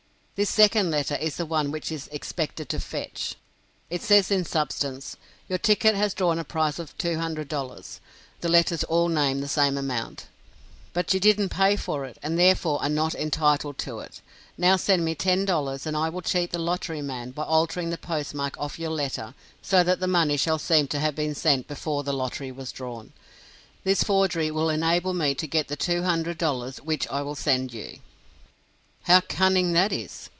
This second letter is the one which is expected to "fetch." It says in substance: "Your ticket has drawn a prize of $200," the letters all name the same amount "but you didn't pay for it; and therefore are not entitled to it. Now send me $10 and I will cheat the lottery man by altering the post mark of your letter so that the money shall seem to have been sent before the lottery was drawn. This forgery will enable me to get the $200, which I will send you." How cunning that is!